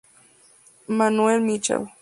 Manuel Michel.